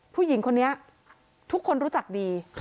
ผู้หญิงคนนี้ทุกคนรู้จักดี